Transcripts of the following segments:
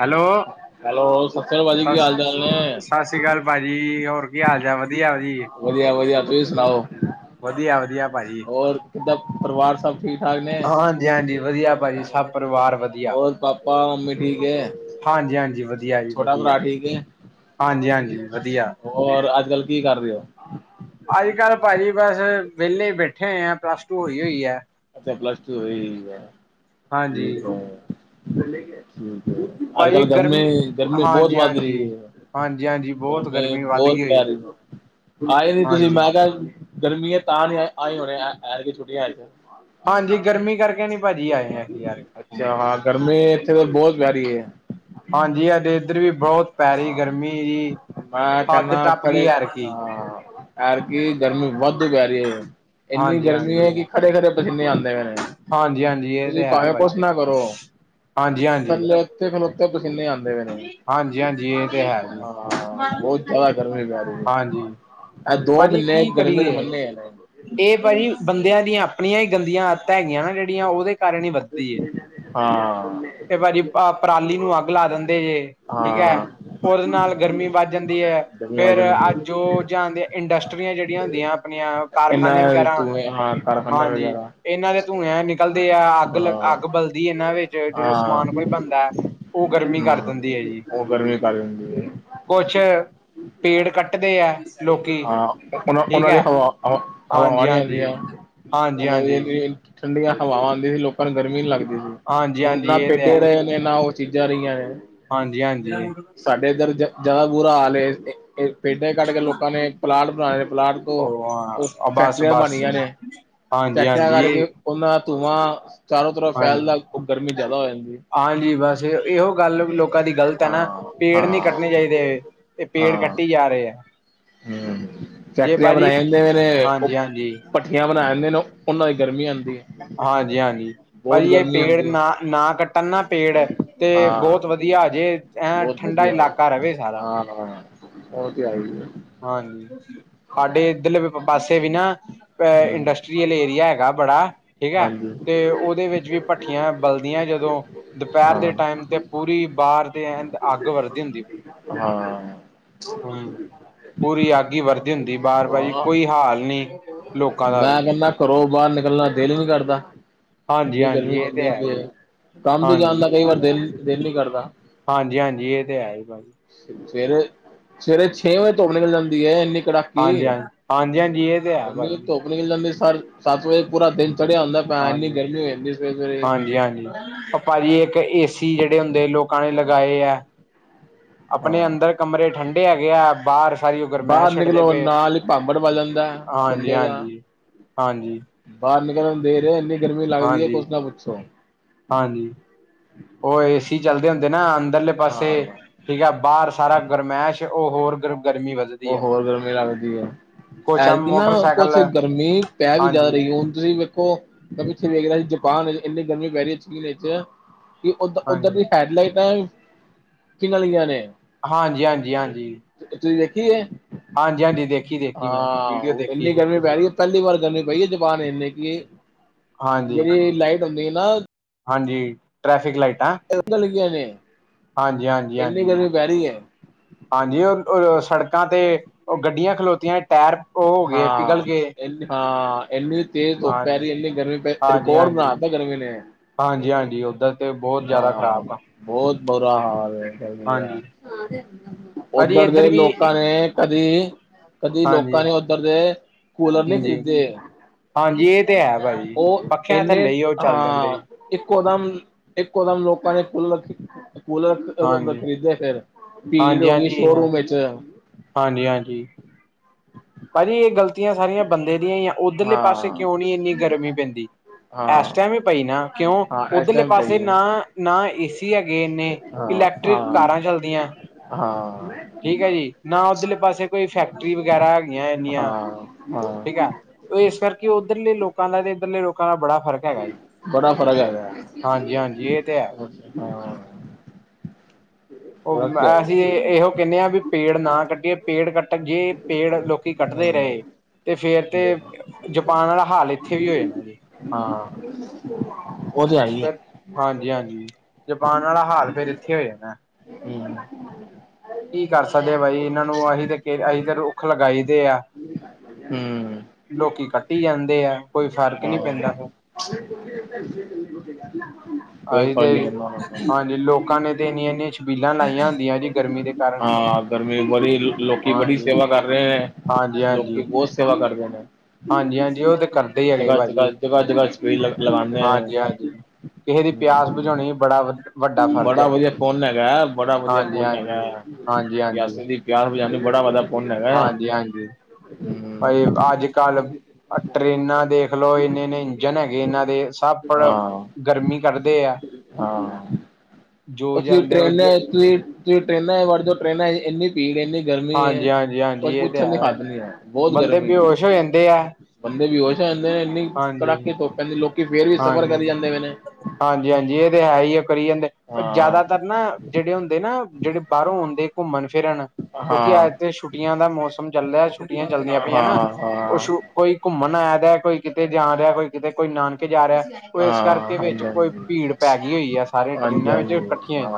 Hello! Hello ਸਤਿ ਸ੍ਰੀ ਅਕਾਲ ਭਾਜੀ ਕੀ ਹਾਲ ਚਾਲ ਨੇ ਸਤਿ ਸ਼੍ਰੀ ਅਕਾਲ ਭਾਜੀ, ਹੋਰ ਕੀ ਹਾਲ-ਚਾਲ? ਵਧੀਆ ਜੀ। ਵਧੀਆ-ਵਧੀਆ, ਤੁਹੀ ਸੁਣਾਓ? ਵਧੀਆ ਵਧੀਆ ਭਾਜੀ ਹੋਰ, ਕਿੱਦਾਂ ਪਰਿਵਾਰ ਸਭ ਠੀਕ-ਠਾਕ ਨੇ? ਹਾਂਜੀ-ਹਾਂਜੀ, ਵਧੀਆ ਭਾਜੀ, ਸਭ ਪਰਿਵਾਰ। ਵਧੀਆ। ਹੋਰ ਪਾਪਾ ਮੰਮੀ ਠੀਕ ਹੈ ਹਾਂਜੀ-ਹਾਂਜੀ, ਵਧੀਆ ਜੀ, ਛੋਟਾ ਵਧੀਆ। ਭਰਾ ਠੀਕ ਹੈ ਹਾਂਜੀ-ਹਾਂਜੀ ਵਧੀਆ। ਹੋਰ, ਅੱਜ-ਕੱਲ ਕੀ, ਕਰ ਰਹੇ ਹੋ? ਅੱਜ-ਕੱਲ ਭਾਜੀ ਬਸ, ਵਿਹਲੇ ਬੈਠੇ ਹੋਏ ਆ, ਪਲੱਸ ਟੂ ਹੋਈ ਹੋਈ ਹੈ। ਅੱਛਾ, ਪਲੱਸ-ਟੂ, ਹੋਈ ਹੋਈਆ ਹਾਂਜੀ [unintelligible] ਤੋਂ। ਅੱਜ-ਕੱਲ ਗਰਮੀ, ਗਰਮੀ ਬਹੁਤ ਹਾਂਜੀ ਵੱਧ ਹਾਂਜੀ ਰਹੀ ਏ। ਹਾਂਜੀ ਹਾਂਜੀ ਬਹੁਤ ਗਮਮੀ ਗਰਮੀ ਵੱਧ ਬਹੁਤ ਗਈ ਪੈ ਹੋਈ ਰਹੀ। ਆਏ ਨੀ, ਤੁਸੀਂ ਹਾਂਜੀ ਮੈਂ ਕਿਆ ਗਰਮੀ ਏ, ਤਾਂ ਨਹੀਂ ਆ--ਆਏ ਹੋਣੇ ਐਦਕੀ ਛੋਟੀਆਂ'ਚ ਤੇ। ਹਾਂਜੀ, ਗਰਮੀ ਕਰਕੇ ਨੀ ਭਾਜੀ ਆਏ ਹੈਗੇ, ਯਾਰ ਘੁੰਮਣ। ਅੱਛਾ ਹਾਂ ਗਰਮੀ ਇੱਥੇ ਬਹੁਤ ਪੈ ਰਹੀ ਏ। ਹਾਂਜੀ, ਹਾਡੇ ਇੱਧਰ ਵੀ ਬਹੁਤ ਪੈ ਰਹੀ ਹਾਂ ਗਰਮੀ ਦੀ, ਹੱਦ ਟੱਪਗੀ ਐਰਕੀ। ਐਦਕੀ ਗਰਮੀ ਵਾੱਧੁ ਪੈ ਰਹੀ ਹੈ, ਇੰਨੀ ਹਾਂਜੀ ਗਰਮੀ ਹੈ ਹਾਂਜੀ ਕਿ ਖੜੇ-ਖੜੇ ਪਸੀਨੇ ਆਂਦੇ ਪਏ ਨੇ, ਹਾਂਜੀ ਹਾਂਜੀ ਇਹ ਤੁਸੀਂ ਤੇ ਹੈ ਭਾਵੇਂ ਕੁਛ ਭਾਜੀ ਨਾ ਕਰੋ ਹਾਂਜੀ ਹਾਂਜੀ ਥੱਲੇ-ਉੱਤੇ ਖਲੋਤੇ ਪਸੀਨੇ ਆਂਦੇ ਪਏ ਨੇ। ਹਾਂਜੀ-ਹਾਂਜੀ ਇਹ ਤੇ, ਹੈ। ਹਾਂ ਬਹੁਤ ਜ਼ਿਆਦਾ ਗਰਮੀ ਪੈ ਰਹੀ। ਹੈ। ਹਾਂਜੀ। ਇਹ ਦੋ ਭਾਜੀ, ਮਹੀਨੇ ਕੀ ਗਰਮੀ ਦੇ ਕਰੀਏ? ਮੰਨੇ ਆ ਇਹ ਭਾਜੀ ਬੰਦਿਆਂ ਦੀਆਂ ਆਪਣੀਆਂ ਹੀ ਗੰਦੀਆਂ ਆਦਤਾਂ ਹੈਗੀਆਂ ਨਾ ਜਿਹੜੀਆਂ ਉਹਦੇ ਕਾਰਨ ਹੀ, ਵਧਦੀ ਏ। ਹਾਂ ਤੇ ਭਾਜੀ, ਪਰਾਲੀ ਨੂੰ ਅੱਗ ਲਾ ਦਿੰਦੇ ਜੇ‌। ਠੀਕ ਹਾਂ ਹੈ, ਉਹਦੇ ਨਾਲ ਗਰਮੀ ਵੱਧ ਜਾਂਦੀ ਐ, ਗਰਮੀ ਵੱਧ ਫਿਰ ਅੱਜ ਜਾਂਦੀ ਹੈ। ਜੋ ਜਹਾਨ ਦੀਆਂ ਇੰਡਸਟਰੀਆਂ ਜਿਹੜੀਆਂ ਹੁੰਦੀਆਂ ਆਪਨੀਆਂ ਇਨਾ ਕਾਰਖਾਨੇ ਵਗੈਰਾ ਧੂੰਏ ਹਾਂ ਕਾਰਖਾਨੇ ਹਾਂਜੀ, ਵਗੈਰਾ ਇਹਨਾਂ ਦੇ ਧੂੰਏ ਨਕਲਦੇ ਆ, ਅੱਗ ਹਾਂ ਅੱਗ ਬਲਦੀ ਏ, ਇਹਨਾਂ ਵਿੱਚ ਜਦੋਂ ਹਾਂ ਸਮਾਨ ਕੋਈ ਹਮ ਬਣਦਾ ਉਹ ਗਰਮੀ ਕਰ ਦਿੰਦੀ ਹੈ ਜੀ। ਉਹ ਗਰਮੀ ਕਰ ਦਿੰਦੀ ਹੈ। ਕੁਛ ਪੇੜ ਕੱਟਦੇ ਆ, ਲੋਕ ਹਾਂ, ਉਹ, ਉਹਨਾਂ ਦੀ ਹਵਾ ਹਵਾਵਾਂ ਹਾਂਜੀ ਨੀ ਆਉਂਦੀਆਂ ਹਾਂਜੀ ਹਾਂਜੀ ਉਹਨਾਂ ਹਾਂਜੀ ਦੀ ਠੰਡੀਆਂ ਹਵਾਵਾਂ ਆਂਦੀ ਸੀ ਲੋਕਾਂ ਨੂੰ ਗਰਮੀ ਨੀ ਲੱਗਦੀ ਸੀ, ਹਾਂਜੀ ਹੁਣ ਹਾਂਜੀ ਨਾ ਇਹ ਤੇ ਪੇਡੇ ਰਹੇ ਨਾ ਉਹ ਚੀਜ਼ਾਂ ਰਹੀਆਂ ਨੇ। ਹਾਂਜੀ-ਹਾਂਜੀ। ਸਾਡੇ ਇੱਧਰ ਜ ਜ਼ਿਆਦਾ ਬੁਰਾ ਹਾਲ ਏ, ਪੇਡੇ ਕੱਟਕੇ ਲੋਕਾਂ ਨੇ ਪਲਾਟ ਬਣਾਲੇ ਨੇ, ਪਲਾਟ ਉਹ-ਉਹ ਉਹ ਬਸ ਫੈਕਟਰੀਆਂ ਬਸ ਬਣਗੀਆਂ ਨ, ਹਾਂਜੀ ਫੈਕਟਰੀਆਂ ਹਾਂਜੀ ਕਰਕੇ ਉਹਨਾਂ ਧੂੰਆਂ ਚਾਰੋਂ ਤਰਫ ਹਾਂਜੀ ਫੈਲਦਾ, ਉਹ ਗਰਮੀ ਜਿਆਦਾ ਹੋ ਜਾਂਦੀ। ਹਾਂਜੀ ਬਸ ਇਹੋ ਗੱਲ ਵੀ ਲੋਕ ਲੋਕਾਂ ਦੀ ਗ਼ਲਤ ਹੈ ਨਾ ਹਾਂ ਪੇੜ ਨੀ ਹਾਂ ਕੱਟਣੇ ਚਾਹੀਦੇ ਤੇ ਪੇੜ ਹਾਂ ਕੱਟੀ ਜਾ ਰਹੇ ਹੈ ਹੂੰ, ਜੇ ਫੈਕਟਰੀਆਂ ਭਾਜੀ ਬਣਾਈਆਂ ਜਾਂਦੀਆਂ ਨੇ ਨੇ ਉਹ ਹਾਂਜੀ ਹਾਂਜੀ ਭੱਠੀਆਂ ਬਣਾ ਜਾਂਦੇ ਨੇ ਉਹਨਾਂ ਦੀ ਗਰਮੀ ਆਉਂਦੀ ਹੈ ਹਾਂਜੀ ਹਾਂਜੀ ਭਾਜੀੀ ਇਹ ਪੇੜ ਆਂਦੀ ਐ। ਨਾ ਨਾ ਕੱਟਣ ਨਾ ਪੇੜ ਤੇ ਹਾਂ, ਬਹੁਤ ਵਧੀਆ ਵਧੀਆ ਜੇ, ਐਂ ਠੰਡਾ ਇਲਾਕਾ ਰਹੇ ਸਾਰਾ। ਹਾਂ, ਉਹ ਤੇ ਹੈਈ ਏ। ਹਾਂਜੀ ਸਾਡੇ ਇਧਰਲੇ ਪਾਸੇ ਵੀ ਨਾ ਹੂੰ, ਇੰਡਸਟਰੀਅਲ ਏਰੀਆ ਹੈਗਾ ਬੜਾ ਠੀਕ ਹੈ ਹਾਂਜੀ, ਤੇ ਉਹਦੇ ਵਿੱਚ ਵੀ ਭੱਠੀਆਂ ਬਲਦੀਆਂ ਜਦੋਂ ਦੁਪਹਿਰ ਹਾਂ, ਦੇ ਟਾਈਮ ਤੇ ਪੂਰੀ ਬਾਰ ਤੇ ਅੱਗ ਵੱਧਦੀ ਹੁੰਦੀ ਹਾਂ ਹਮ ਪੂਰੀ ਆਗੀ ਵਰਦੀ ਹੁੰਦੀ ਬਾਰ ਵਾਰੀ ਹਾਂ, ਕੋਈ ਹਾਲ ਨਹੀਂੀ ਮੈਂ ਕਹਿੰਦਾ ਘਰੋਂ ਬਾਹਰ ਨਿਕਲਣਾ ਦਿਲ ਨੀ ਕਰਦਾ ਹਾਂਜੀ ਇੰਨੀ ਗਰਮੀ ਹਾਂਜੀ ਇਹ ਤੇ ਪੈਂਦੀ ਹੈ ਜੀ ਕੰਮ ਤੇ ਜਾਣ ਹਾਂਜੀ ਦਾ ਕਈ ਵਾਰ ਦਿਲ ਦਿਲ ਨੀ ਕਰਦਾ ਹਾਂਜੀ ਹਾਂਜੀ ਇਹ ਤੇ ਹੈ ਹੀ ਭਾਜੀ ਸਵੇਰੇ ਸਵੇਰੇ ਛੇ ਵਜੇ ਧੁੱਪ ਨਿਕਲ ਜਾਂਦੀ ਹੈ ਇੰਨੀ ਕੜਾਕੀ ਹਾਂਜੀ ਹਾਂਜੀ ਹਾਂਜੀ ਹਾਂਜੀ ਇਹ ਤੇ ਹੈ ਇੰਨੀ ਭਾਜੀ ਧੁੱਪ ਨਿਕਲ ਜਾਂਦੀ ਸਰ ਸੱਤ ਵਜੇ ਪੂਰਾ ਦਿਨ ਚੜਿਆ ਹੁੰਦਾ ਪਿਆ ਇੰਨੀ ਹਾਂਜੀ ਗਰਮੀ ਹੋ ਜਾਂਦੀ ਵ ਸਵੇਰੇ ਹਾਂਜੀ ਹਾਂਜੀ ਭਾਜੀ ਇੱਕ ਏਸੀ ਜਿਹੜੇ ਹੁੰਦੇ ਲੋਕਾਂ ਨੇ ਲਗਾਏ ਹੈ ਆਪਣੇ ਹਾਂ ਅੰਦਰ ਕਮਰੇ ਠੰਡੇ ਹੈਗੇ ਆ ਬਾਹਰ ਸਾਰੀ ਉ ਗਰਮਹਿ ਬਾਹਰ ਛੱਡਦੇ ਨਿਕਲੋ ਪਏ ਨਾਲ ਹੀ ਭਾਂਬੜ ਵੱਜ ਜਾਂਦਾ ਹਾਂਜੀ ਬੰਦੇ ਦਾ ਹਾਂਜੀ ਹਾਂਜੀ ਬਾਹਰ ਨਿਕਲਣ ਨੂੰ ਦੇਰ ਹੈ ਇੰਨੀ ਗਰਮੀ ਲੱਗਦੀ ਹੈ ਹਾਂਜੀ ਕੁਛ ਨਾ ਪੁੱਛੋ ਹਾਂਜੀ ਉਹ ਏਸੀ ਚੱਲਦੇ ਹੁੰਦੇ ਨਾ ਅੰਦਰਲੇ ਪਾਸੇ ਹਾਂ ਠੀਕ ਹੈ ਬਾਹਰ ਸਾਰਾ ਗਰਮੈਸ਼ ਉਹ ਹੋਰ ਗਰ ਗਰਮੀ ਵਧ ਉਹ ਹੋਰ ਗਰਮੀ ਲੱਗਦੀ ਹੈ ਕੁਛ ਐਰ ਕਿ ਨਾ ਮੋਟਰਸਾਈਕਲ ਕੁਛ ਗਰਮੀ ਪੈ ਵੀ ਜ਼ਿਆਦਾ ਹਾਂਜੀ ਰਹੀ ਹੁਣ ਤੁਸੀਂ ਦੇੋ ਤਾਂ ਪਿੱਥੇ ਵੇਖ ਰਿਹਾ ਸੀ ਜਪਾਨ ਵਿੱਚ ਇੰਨੀ ਗਰਮੀ ਪੈ ਰਹੀ ਹੈ ਚੀਨ ਵਿੱਚ ਕਿ ਉ ਉੱਧਰ ਹਾਂਜੀ ਦੀ ਹੈਡਲਾਈਟਾਂ ਕਿਨੀਆਂ ਨੇ ਹਾਂਜੀ ਹਾਂਜੀ ਹਾਂਜੀ ਤੁਸੀਂ ਦੇਖੀ ਹੈ ਹਾਂਜੀ ਹਾਂਜੀ ਦੇਖੀ ਦੇਖੀ ਮੈਂ ਵੀਡੀਓ ਹਾਂ ਦੇਖੀ ਇੰਨੀ ਸੀ ਗਰਮੀ ਪੈ ਰਹੀ ਹੈ ਪਹਿਲੀ ਵਾਰ ਜਾਂਦੇ ਪਾਈਏ ਜਬਾਨ ਇੰਨੇ ਕਿ ਇਹ ਹਾਂਜੀ ਨਾ ਹਾਂਜੀ ਟ੍ਰੈਫਿਕ ਲਾਈਟਾਂ ਲੱਗ ਹਾਂਜੀ ਹਾਂਜੀ ਇੰਨੀ ਹਾਂਜੀ ਗਰਮੀ ਪੈ ਰਹੀ ਹੈ ਹਾਂਜੀ ਉਹ ਸੜਕਾਂ ਤੇ ਉਹ ਗੱਡੀਆਂ ਖਲੋਤੀਆਂ ਟਾਇਰ ਉਹ ਹੋ ਗਏ ਪਿਘਲ ਹਾਂ ਗਏ ਨੀ ਹਾਂ ਇੰਨੀ ਤੇਜ਼ ਧੁੱਪ ਪੈ ਹਾਂਜੀ ਰਹੀ ਇਨੀ ਗਰਮੀ ਪੈ ਹਾਂਜੀ ਰਿਕਾਰਡ ਬਣਾ ਹਾਂਜੀ ਤਾ ਗਰਮੀ ਨੇ ਹਾਂਜੀ ਹਾਂਜੀ ਉੱਧਰ ਤੇ ਬਹੁਤ ਜ਼ਿਆਦਾ ਹਾਂ ਖ਼ਰਾਬ ਆ ਬਹੁਤ ਬੁਰਾ ਹਾਲ ਹਾਂਜੀ ਭਾਜੀ ਉੱਧਰ ਦੇ ਇੱਧਰ ਵੀ ਲੋਕਾਂ ਨੇ ਕਦੀ ਕਦੀ ਹਾਂਜੀ ਲੋਕਾਂ ਨੇ ਉੱਧਰ ਦੇ ਕੂਲਰ ਨਹੀਂੀ ਹਾਂਜੀ ਖਰੀਦੇ ਹਾਂਜੀ ਇਹ ਤੇ ਹੈ ਭਾਜੀੀ ਉਹ ਪੱਖਿਆਂ ਇੰਨੇ ਥੱਲੇ ਹੀ ਉਹ ਚੱਲ ਦਿੰਦੇ ਹਾਂ ਇੱਕੋ ਦਮ ਇੱਕੋ ਦਮ ਲੋਕਾਂ ਨੇ ਕੂਲਰ ਕੂਲਰ ਹਾਂਜੀ ਖਰੀਦੇ ਫਿਰ ਭੀੜ ਹਾਂਜੀ ਹੋ ਗਈ ਹਾਂਜੀ ਹੈ ਸ਼ੋਰੂਮ ਹੈਥ ਹਾਂਜੀ ਹਾਂਜੀ ਭਾਜੀ ਇਹ ਗਲਤੀਆਂ ਸਾਰੀਆਂ ਬੰਦੇ ਦੀਆਂ ਹੀ ਆ ਉੱਧਰਲੇ ਪਾਸੇ ਹਾਂ ਕਿਉਂ ਨਹੀਂ ਇੰਨੀ ਗਰਮੀ ਪੈਂਦੀ। ਇਸ ਹਾਂ ਟਾਈਮ ਹੀ ਪਈ ਨਾ ਕਿਉਂ ਹਾਂ ਇਸ ਉੱਧਰਲੇ ਟਾਈਮ ਪਈ ਪਾਸੇ ਹੈ ਨਾ ਨਾ ਏ ਸੀ ਹੈਗੇ ਇੰਨੇ ਹਾਂ ਇਲੈਕਟ੍ਰਿਕ ਹਾਂ ਕਾਰਾਂ ਚੱਲਦੀਆਂ ਹਾਂ ਠੀਕ ਹੈ ਜੀ ਨਾ ਉੱਧਲੇ ਪਾਸੇ ਕੋਈ ਫੈਕਟਰੀ ਵਗੈਰਾ ਹੈਗੀਆਂ ਇੰਨੀਆਂ ਹਾਂ ਹਾਂ ਠੀਕ ਆ ਇਸ ਕਰਕੇ ਉੱਧਰਲੇ ਲੋਕਾਂ ਦਾ ਤੇ ਇੱਧਰਲੇ ਲੋਕਾਂ ਦਾ ਬੜਾ ਫ਼ਰਕ ਹੈਗਾ ਬੜਾ ਫ਼ਰਕ ਹੈਗਾ ਹਾਂਜੀ- ਹਾਂਜੀ ਇਹ ਤੇ ਹੈ। ਹਾਂ ਉਹ ਫ਼ਰਕ ਤੇ ਹੈ ਅਸੀਂ ਹੀ ਇਹੋ ਕਹਿੰਦੇ ਹਾਂ ਵੀ ਪੇੜ ਨਾ ਕੱਟੀਏ, ਪੇੜ ਕੱਟ ਜੇ ਪੇੜ ਲੋਕੀ ਕੱਟਦੇ ਹੈ ਰਹੇ, ਤੇ ਫੇਰ ਤੇ ਹੂੰ ਜਪਾਨ ਵਾਲਾ ਹਾਲ ਇੱਥੇ ਵੀ ਹੋ ਜਾਣਾ ਜੀ ਹਾਂ, ਉਹ ਤੇ ਆਈ ਆ ਫਿਰ ਹਾਂਜੀ- ਹਾਂਜੀ ਜਪਾਨ ਵਾਲਾ ਹਾਲ ਫਿਰ ਇੱਥੇ ਹੋ ਜਾਣਾ ਹਮ ਕੀ ਕਰ ਸਕਦੇ ਬਾਈ ਇਹਨਾਂ ਨੂੰ ਅਸੀਂ ਤਾਂ ਅਸੀਂ ਤਾਂ ਰੁੱਖ ਲਗਾਈ ਦੇ ਆ ਹੂੰ ਲੋਕੀ ਕੱਟੀ ਹੀ ਜਾਂਦੇ ਆ ਕੋਈ ਫਰਕ ਨਹੀਂ ਪੈਂਦਾ ਫ ਹ ਕੋ [unintelligible] ਅਸੀ ਤੇ, ਕਰਨਾ ਹਾਂ ਹਾਂਜੀ ਲੋਕਾਂ ਨੇ ਤੇ ਇੰਨੀਆਂ- ਇੰਨੀਆਂ ਛਬੀਲਾਂ ਲਾਈਆਂ ਹੁੰਦੀਆਂ ਜੀ ਗਰਮੀ ਦੇ ਕਾਰਨ ਹਾਂ ਗਰਮੀ ਬੜੀ ਲੋਕੀ ਬੜੀ ਹਾਂਜੀ ਸੇਵਾ ਕਰ ਰਹੇ ਹੈ, ਹਾਂਜੀ ਲੋਕੀ ਹਾਂਜੀ ਬਹੁਤ ਸੇਵਾ ਕਰਦੇ ਨੇ ਹਾਂਜੀ- ਹਾਂਜੀ ਉਹ ਤੇ ਕਰਦੇ ਹੀ ਹੈਗੇ ਜਗ੍ਹਾ ਜਗ੍ਹਾ ਭਾਜੀ, ਜਗ੍ਹਾ ਜਗ੍ਹਾ ਸਪੀਡ ਲਗਾਉਂਦੇ ਨੇ ਹਾਂਜੀ- ਹਾਂਜੀ। ਕਿਸੇ ਦੀ ਪਿਆਸ ਬੁਝਾਉਣੀ ਬੜਾ ਵਧੀਆ ਬੜਾ ਵਧੀਆ ਪੁੰਨ ਹੈਗਾ, ਬੜਾ ਵਧੀਆ ਹਾਂਜੀ ਪੁੰਨ ਹਾਂਜੀ ਹੈਗਾ, ਹਾਂਜੀ ਹਾਂਜੀ ਪਿਆਸੇ ਦੀ ਪਿਆਸ ਬੁਝਾਉਣੀ ਬੜਾ ਵਧੀਆ ਹਾਂਜੀ- ਹਾਂਜੀ। ਭਾਈ, ਅੱਜ -ਕੱਲ੍ਹ ਟਰੇਨਾਂ ਦੇਖਲਓ ਇੰਨੇ- ਇੰਨੇ ਇੰਜਨ ਹੈਗੇ ਇਹਨਾਂ ਦੇ ਸ ਆਪੜ ਹਾਂ ਗਰਮੀ ਕਰਦੇ ਆ ਹਾਂ, ਜੋ ਤੁਸੀਂ ਜਾਂਦੇ ਉਹ ਜ ਟਰੇਨਾਂ ਤੁਸੀਂ ਤੁਸੀਂ ਟੇਨਾਂ ਚ ਵੜ ਜਾੳ ਟ੍ਰੇਨਾਂ ਚ ਇੰਨੀ ਭੀੜ ਇੰਨੀ ਗਰਮੀ ਹਾਂਜੀ ਹੈ, ਹਾਂਜੀ ਕੁਝ ਹਾਂਜੀ ਇਹ ਤੇ ਪੁੱਛਣ ਨੀ ਹਦ ਨੀ ਹੈ, ਬਹੁਤ ਬੰਦੇ ਗਰਮੀ ਹੈ ਬੇਹੋਸ਼ ਹੋ ਜਾਂਦੇ ਆ ਬੰਦੇ ਵੀ ਬੇਹੋਸ਼ ਆ ਜਾਂਦੇ ਨੇ ਇੰਨੀ ਹਾਂਜੀ ਕੜਾਕੇ ਧੁੱਪ ਪੈਂਦੀ, ਲੋਕੀ ਫੇਰ ਵੀ ਸਫ਼ਰ ਕਰੀ ਜਾਂਦੇ ਪਏ ਨੇ ਹਾਂਜੀ- ਹਾਂਜੀ ਇਹ ਤੇ ਹੈ ਹੀ ਕਰੀ ਜਾਂਦੇ, ਹਾਂ ਜ਼ਿਆਦਾ ਕਰਨਾ ਜਿਹੜੇ ਹੁੰਦੇ ਨਾ, ਜਿਹੜੇ ਬਾਹਰੋਂ ਆਂਉਦੇ ਘੁੰਮਣ ਫਿਰਨ, ਕਿਉਂਕਿ ਹਾਂ ਅੱਜ ਤੇ ਛੁੱਟੀਆਂ ਦਾ ਮੌਸਮ ਚੱਲਦਾਹਾ ਛੁੱਟੀਆਂ ਚੱਲਦੀਆਂ ਹਾਂ ਪਈਆਂ ਨਾ ਹਾਂ ਹਾਂ ਉਹਛੂ ਕੋਈ ਘੁੰਮਣ ਆ ਰਿਹਾ, ਕੋਈ ਕਿਤੇ ਜਾ ਰਿਹਾ, ਕੋਈ ਕਿਤੇ ਕੋਈ ਨਾਨਕੇ ਜਾ ਰਿਹਾ ਉਹ ਇਸ ਕਰਕੇ ਹਾਂਜੀ ਵਿੱਚ ਕੋਈ ਹਾਂਜੀ ਭੀੜ ਪੈ ਗਈ ਹੋਈ ਆ ਸਾਰੀਆਂ ਹਾਂਜੀ ਟਰੇਨਾਂ ਵਿੱਚ ਹਾਂਜੀ ਇਕੱਠੀਆਂ ਹਾਂ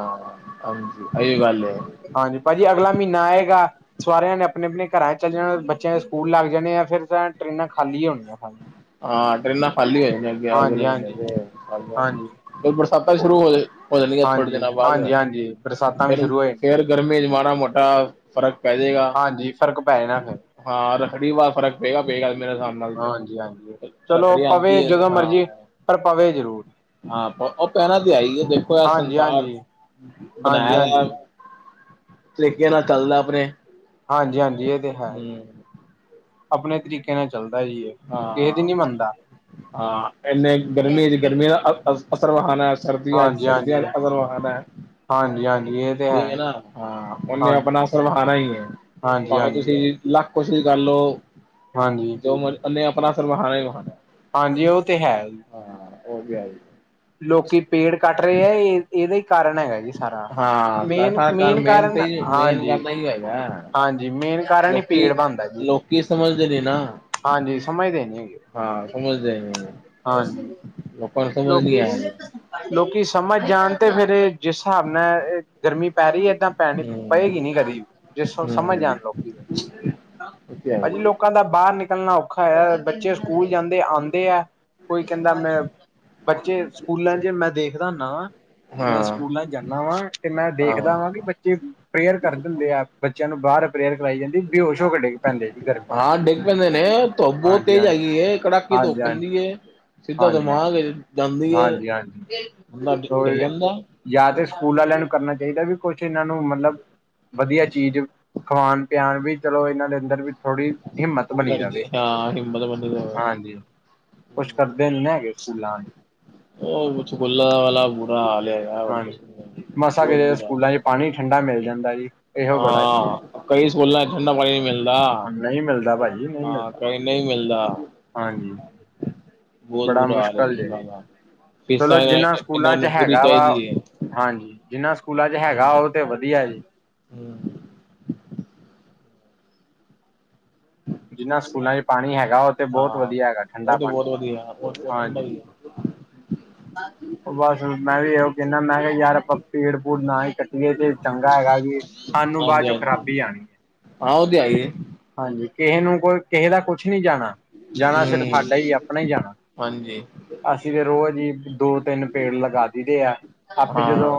ਹਾਂਜੀ, ਇਹੀ ਗੱਲ ਹੈ ਹਾਂਜੀ ਭਾਜੀ, ਅਗਲਾ ਮਹੀਨਾ ਆਏਗਾ ਸਵਾਰੀਆਂ ਨੇ ਆਪਣੇ- ਆਪਣੇ ਘਰਾਂ ਚ ਚੱਲ ਜਾਣਾ, ਬੱਚਿਆਂ ਦੇ ਸਕੂਲ ਲੱਗ ਜਾਣੇ ਆ, ਫਿਰ ਤਾਂ ਟਰੇਨਾਂ ਖਾਲੀ ਹੋਣੀਆਂ ਹਾਂ ਟ੍ਰਰੇਨਾਂ ਖਾਲੀ ਹੋ ਜਾਦੀਆਂ ਨੇ, ਹਾਂਜੀ, ਹਾਂਜੀ, ਫਿਰ ਬਰਸਾਤਾ ਸ਼ੁਰੂ ਹੋ ਜਾਏ ਹੋ ਜਾਣਗੇ ਥੋੜੇ ਹਾਂਜੀ, ਦਿਨਾਂ ਹਾਂਜੀ ਬਾਅਦ, ਹਾਂਜੀ ਬਰਸਾਤਾਂ ਵੀ ਸ਼ੁਰੂ ਹੋ ਫੇਰ ਗਰਮੀ ਚ ਮਾੜਾ ਮੋਟਾ। ਫ਼ਰਕ ਪੈ ਜਾਏਗਾ, ਹਾਂਜੀ ਫ਼ਰਕ ਪੈ ਜਾਣਾ ਫਿਰ ਹਾਂ ਰੱਖੜੀ ਵਾਰ ਫ਼ਰਕ ਪਏਗਾ, ਪਏਗਾ ਮੇਰੇ ਹਿਸਾਬ ਨਾਲ ਤੇ। ਹਾਂਜੀ, ਚਲੋ ਰੱਖੜੀ ਪਵੇ ਆਉਂਦੀ ਹੈ ਜਦੋਂ ਹਾਂ ਮਰਜੀ, ਪਰ ਪਵੇ ਜ਼ਰੂਰ। ਹਾਂ ਉਹ ਪਹਿਣਾ ਤੇ ਹੈ ਏ ਆ ਦੇਖੋ ਯ ਹਾਂਜੀ ਸੰਸਾਰ ਹਾਂਜੀ ਹਾਂਜੀ ਬਣਾਇ ਦਾ। ਹਾਂਜੀ ਸਲੀਕੇ ਨਾਲ ਚੱਲਦਾ ਆਪਣੇ। ਹਾਂਜੀ- ਹਾਂਜੀ ਇਹ ਤੇ ਹੈ, ਹੂੰ ਆਪਣੇ ਤਰੀਕੇ ਨਾਲ ਚੱਲਦਾ ਜੀ ਇਹ। ਕਿਸਦੀ ਹਾਂ ਨੀ ਮੰਨਦਾ। ਹਾਂ ਇਹਨੇ ਗਰਮੀ ਚ ਗਰਮੀ ਦਾ ਅਸਰ ਵਿਖਾਉਣਾ ਹੈ, ਸਰਦੀਆਂ ਚ ਹਾਂਜੀ ਹਾਂਜੀ ਸਰਦੀਆਂ ਦਾ ਅਸਰ ਵਿਖਾਉਣਾ ਹੈ। ਹਾਂਜੀ ਹਾਂਜੀ ਇਹ ਤੇ ਠੀਕ ਹੈ ਜੀ। ਨਾ, ਹਾਂ ਉਹਨੇ ਹਾਂਜੀ ਆਪਣਾ। ਕਰਵਾਉਣਾ ਹੀ ਹੈ, ਹਾਂਜੀ ਭਾਵੇਂ ਹਾਂਜੀ ਤੁਸੀਂ ਲੱਖ ਕੋਸਿ਼ਸ਼ ਕਰ ਲਓ, ਹਾਂਜੀ ਜੋ ਮਰਜ਼ੀ। ਉਨੇ ਆਪਣਾ ਸਰ ਬਹਾਣਾ। ਹਾਂਜੀ ਉਹ ਤੇ ਹੈ ਜੀ ਹਾਂ ਓਹ ਤੇ ਹੈ ਹੀ ਲੋਕੀ ਪੇੜ ਕੱਟ ਰਹੇ ਹੈ। ਇਹ ਇਹਦਾ ਹੀ ਕਾਰਨ ਹੈਗਾ। ਸਾਰਾ, ਹਾਂ ਮੇਨ- ਮੇਨ ਕਾਰਨ, ਹਾਂਜੀ। ਹੀਗਾ, ਹਾਂਜੀ ਮੇਨ ਕਾਰਨ ਹੀ ਪੇੜ ਬਣਦਾ ਜੀ, ਲੋਕੀ ਸਮਝਦੇ ਨੇ ਨਾ ਹਾਂਜੀ ਸਮਝਦੇ ਨੀ ਹੈਗੇ। ਹਾਂ ਸਮਝਦੇ ਨੀ ਔ ਹਾਂਜੀ ਲੌਗ। ਲੋਕਾਂ ਨੂੰ ਸਮਝ ਨੀ ਲੋਕੀ ਐ ਅਜੇ। ਲੋਕੀ ਸਮਝ ਜਾਣ ਤੇ ਫੇਰ ਏ ਜਿਸ ਸਾਬ ਨਾਲ ਏ ਗਰਮੀ ਪੈ ਰੀ ਏ ਏਦਾਂ। ਪੈਣੀ, ਹੂੰ ਪਏਗੀ ਨੀ ਕਦੀ, ਜਿਸ ਸਬ ਸਮਝ ਜਾਣ ਲੋਕੀ ਤੇ ਔ ਤੇ ਹੈ ਈ। ਅਹੀ ਲੋਕਾਂ ਦਾ ਬਾਹਰ ਨਿਕਲਣਾ ਔਖਾ ਹੋਇਆ ਔਯਾ। ਬੱਚੇ ਸਕੂਲ ਜਾਂਦੇ ਆਂਉਦੇ ਆ, ਕੋਈ ਕੇਂਦਾ ਮੈਂ ਬੱਚੇ ਸਕੂਲਾਂ 'ਚ ਮੈਂ ਦੇਖਦਾ ਹੁੰਨਾ ਵਾਂ ਮੈਂ ਹਾਂ ਸਕੂਲਾਂ ਚ ਜਾਂਨਾ ਵਾਂ ਤੇ ਮੈਂ ਦੇਖਦਾ ਵਾਂ ਕਿ ਬੱਚੇ ਪ੍ਰੇਅਰ ਕਰਦੇ ਹੁੰਦੇ ਆ, ਬੱਚਿਆਂ ਨੂੰ ਬਾਹਰ ਪ੍ਰੇਅਰ ਕਰਵਾਈ ਜਾਂਦੀ। ਬੇਹੋਸ਼ ਹੋ ਕੇ ਡਿੱਗ ਪੈਂਦੇ ਜੀ ਗਰਮੀ ਹਾਂ ਡਿੱਗ ਪੈਂਦੇ ਨੇ ਧੱਪ ਬਹੁਤ ਹਾਂਜੀ ਤੇਜ਼ ਹਾਂਜੀ ਹੈਗੀ ਹੈ ਕੜਾਕੇ ਦੀ ਧੁੱਪ ਹਾਂਜੀ ਪੈਂਦੀ ਹੈ। ਸਿੱਧਾ ਤੇ ਹਾਂਜੀ ਮਾਂ ਗਏ, ਹਾਂਜੀ- ਹਾਂਜੀ, ਡਿੱਗ ਜਾਂਦਾ। ਜਾਂ ਤਾਂ ਸਕੂ ਸਕੂਲ ਆਲਿਆਂ ਨੂੰ ਕਰਨਾ ਚਾਈਦੈ ਵੀ ਕੁਛ ਇਨਾਂ ਨੂੰ ਮਤਲਬ ਵਧੀਆ ਚੀਜ਼ ਖਵਾਣ ਪਿਆਣ ਵੀ ਚਲੋ ਏਨਾਂ ਦੇ ਅੰਦਰ ਵੀ ਥੋੜ੍ਹੀ ਹਿੰਮਤ ਬਣੀ ਰਵੇ, ਐਲਰਜੀ ਹਾਂ ਹਿੰਮਤ ਬਣੀ ਹਾਂਜੀ। ਕੁਛ ਕਰਦੇ ਨੀ ਨਾ ਹੈਗੇ ਸਕੂਲਾਂ ਆ ਔ ਕੁਛ ਸਕੂਲਾਂ ਵਾਲਾ ਬੁਰਾ ਹਾਲ ਐ ਯਾਰ ਹਾਂਜੀ ਮਸਾਂ ਬੋਤ ਕਿਤੇ ਬੁਰਾ ਸਕੂਲਾਂ ਚ ਪਾਣੀ ਠੰਡਾ ਮਿਲ ਜਾਂਦੈ ਜੀ। ਇਹੋ ਬੜਾ ਜੀ ਹਾਂ, ਕਈ ਸਕੂਲਾਂ ਇੱਚ ਠੰਡਾ ਪਾਣੀ ਨਈ ਮਿਲਦਾ। ਹੁਣ ਨਹੀਂ ਮਿਲਦਾ ਭਾਜੀ ਨਹੀਂ ਹਾਂ। ਮਿਲਦਾ ਕਈ ਨਈ ਮਿਲਦਾ। ਹਾਂਜੀ। ਬਹੁਤ ਬੜਾ ਬੁਰਾ ਹਾਲ ਏ ਮੁਸ਼ਕਲ ਜੇ। ਸਕੂਲਾਂ ਦਾ। ਚਲੋ ਫੀਸਾਂ ਜਿੰਨਾ ਸਕੂਲਾਂ ਇਹਨਾਂ 'ਚ ਨੂੰ ਪੂਰੀ ਹੈਗਾ ਵਾ ਚਾਹੀਦੀ ਏ। ਹਾਂਜੀ, ਜਿੰਨਾਂ ਸਕੂਲਾਂ 'ਚ ਹੈਗਾ ਔ ਹੂੰ ਤੇ ਵਧੀਆ ਜੀ। ਹੂੰ। ਜਿੰਨਾ ਸਕੂਲਾਂ ਚ ਪਾਣੀ ਹੈਗਾ ਉਹ ਤੇ ਬਹੁਤ ਹਾਂ ਵਧੀਆ ਹੈਗਾ ਔ ਠੰਡਾ ਤੇ ਬੋਤ ਪਾਣੀ ਵਧੀਆ। ਔ ਤੇ ਠੰਡਾ ਹਾਂਜੀ ਈ ਏ। [unintelligible] ਔ ਬਸ ਮੈਂ ਵੀ ਐਇਓ ਕੈਨਾ ਮੈਂ ਕਿਆ ਯਾਰ ਆਪਾਂ ਪੇੜ-ਪੂੜ ਨਾ ਈ ਕੱਟੀਏ ਤੇ ਚੰਗਾ ਹੈਗਾ ਵੀ ਸਾਨੂੰ ਹਾਂਜੀ ਬਾਦ ਚੋਂ ਹਾਂਜੀ ਖਰਾਬੀ ਆਣੀ ਏ। ਹਾਂ ਔ ਤੇ ਐ ਈ ਏ। ਹਾਂਜੀ, ਕਿਹੇ ਨੂੰ ਕੋ ਕਿਹੇ ਦਾ ਕੁਛ ਨੀ ਜਾਣਾ, ਜਾਣਾ ਸਿਰਫ ਹਾਡਾ ਈ, ਹੂੰ ਆਪਣਾ ਈ ਜਾਣਾ। ਹਾਂਜੀ ਅਸੀ ਤੇ ਰੋਜ਼ ਈ ਦੋ-ਤਿੰਨ ਪੇੜ ਲਗਾ ਦੀਦੇ ਆ। ਆਪੇ ਹਾਂ ਜਦੋਂ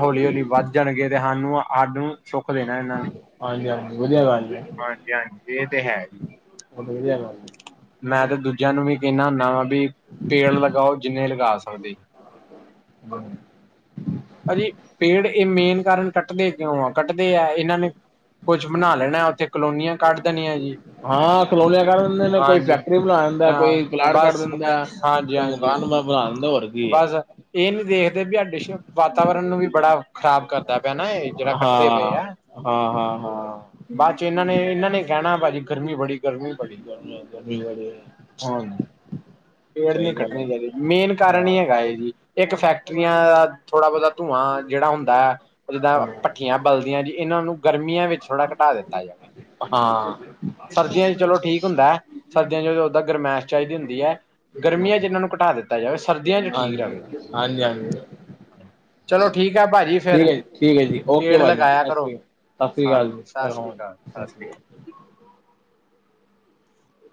ਹੌਲੀ-ਹੌਲੀ ਵੱਧ ਜਾਣਗੇ ਤੇ ਹਾਨੂੰ, ਆਨੂੰ ਸੁੱਖ ਦੇਣਾ ਏਨਾਂ ਨੇ ਈ। ਹਾਂਜੀ ਹਾਂਜੀ ਵਧੀਆ ਗੱਲ ਹਾਂਜੀ-ਹਾਂਜੀ ਏ ਤੇ ਹੈ ਈ। ਔ ਵਧਿਆ ਗੱਲ ਏ। ਮੈਂ ਤੇ ਦੂਜਿਆਂ ਨੂੰ ਵੀ ਕੇਂਨਾ ਹੁੰਨਾ ਵਾ ਬਈ ਤੇਲ ਲਗਾਔ ਜਿੰਨੇ ਲਗਾ ਸਕ ਦੇ। ਹੂੰ, ਪਾ ਜੀ ਪੇੜ ਏ ਮੇਨ ਕਾਰਨ ਕੱਟਦੇ ਕਿਉਂ ਆ, ਕੱਟਦੇ ਆ। ਏਨਾਂ ਨੇ ਕੁੱਛ ਬਣਾ ਲੈਣਾ ਉੱਥੇ ਕਲੋਨੀਆਂ ਕੱਢ ਦੇਣੀਆਂ ਜੀ ਹਾਂ ਕਲੋਨੀਆਂ ਕਟ ਦਿੰਦੇ ਨੇ। ਕੋਈ ਹਾਂਜੀ ਫੈਕਟਰੀ ਬਣਾ ਦਿੰਦੈ, ਕੋਈ ਪਲਾਟ ਕਟ ਦਿੰਦੈ। ਹਾਂਜੀ-ਹਾਂਜ ਮਕਾਨ ਮੈਂ ਬਣਾ ਲੈਂਦਾ ਹੋਰ। ਹੈ ਬਸ ਏ ਨੀ ਦੇਖਦੇ ਬੀ ਆਡੇ ਸ਼ੁੱਧ ਵਾਤਾਵਰਨ ਨੂੰ ਵੀ ਬੜਾ ਖ਼ਰਾਬ ਕਰਦਾ। ਨਾ ਏ ਜੜਾ ਹਾਂ ਕੱਟਦੇ ਪਏ ਆ। ਹਾਂ ਹਾਂ ਹਾਂ ਬਾਦ 'ਚੋ ਏਨਾਂ ਨੇ, ਏਨਾਂ ਨੇ ਈ ਕੈਣੈ ਪਾ ਜੀ ਗਰਮੀ ਬੜੀ ਗਰਮੀ ਬੜੀ। ਗਰਮੀ ਗਰਮੀ ਬੜੀ ਹੈ ਹੂੰ, ਪੇੜ ਨੀ ਸਹੀ ਗੱਲ ਕਟਨੇ ਚਾਈਦੇ। ਹੈ ਮੇਨ ਕਾਰਨ ਹਾਂ ਈ ਹੈਗਾ ਏ ਜੀ। ਇੱਕ ਫੈਕਟਰੀਆਂ ਦਾ ਥੋੜਾ ਬੋਤਾ ਧੂੰਆਂ ਜੇੜਾ ਹੁੰਦਾ ਐ ਜਿੱਦਾਂ ਹਾਂ ਭੱਠੀਆਂ ਬਲਦੀਆਂ ਜੀ ਏਨਾਂ ਨੂੰ ਗਰਮੀਆਂ ਵਿੱਚ ਥੋੜਾ ਘਟਾ ਦਿੱਤਾ ਜਾਵੇ ਹਾਂ। ਸਰਦੀਆਂ 'ਚ ਚਲੋ ਠੀਕ ਹੁੰਦਾ ਐ। ਸਰਦੀਆਂ ਇੱਚ ਔਦਾਂ ਗਰਮੈਸ਼ ਚਾਈਦੀ ਹੁੰਦੀ ਐ। ਗਰਮੀਆਂ ਇੱਚ ਏਨਾਂ ਨੂੰ ਘਟਾ ਦਿੱਤਾ ਜਾਵੇ। ਸਰਦੀਆਂ ਚ ਠੀਕ ਰਹੇ ਹਾਂਜੀ, ਹਾਂਜੀ-ਹਾਂਜੀ। ਚਲੋ ਠੀਕ ਹੈ ਭਾਜੀ ਠੀਕ ਫੇਰ ਐ ਜੀ, ਠੀਕ ਐ ਜੀ। ਔਕੇ ਪੇੜ ਪਾ ਜੀ। ਲਗਾਇਆ ਕਰੋ ਔਕੇ। ਸਸ ਸ੍ਰੀ ਕਾਲ ਹਾਂਜੀ ਸਤਿ ਸ੍ਰੀ ਅਕਾਲ ਸਤਿ ਸ੍ਰੀ ਅਕਾਲ ਜੀ।